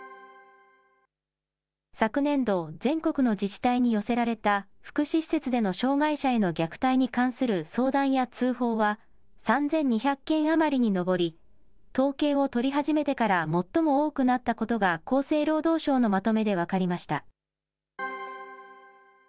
昨年度、全国の自治体に寄せられた福祉施設での障害者への虐待に関する相談や通報は、３２００件余りに上り、統計を取り始めてから最も多くなったことが、厚生労働省のまとめで分かりました。